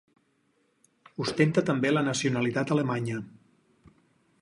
Ostenta també la nacionalitat alemanya.